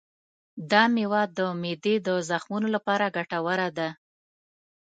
دا مېوه د معدې د زخمونو لپاره ګټوره ده.